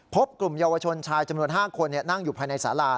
พบกลุ่มเยาวชนชายจำนวน๕คนนั่งอยู่ภายในสารา